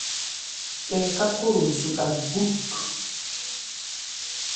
Ɓɛɛ ká kóro zuɗa bút.